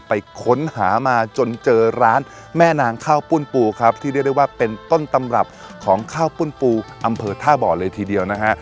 ไปค้นหามาจนเจอร้านแม่นางข้าวปุ้นปูครับที่เรียกได้ว่าเป็นต้นตำรับของข้าวปุ้นปูอำเภอท่าบ่อเลยทีเดียวนะฮะ